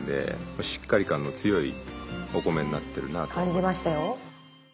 感じましたよ。